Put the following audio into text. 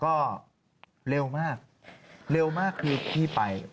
ก็เร็วมากเร็วมากคือที่ไป